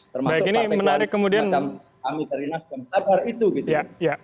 termasuk partai kemudian seperti amit rinas yang sabar itu gitu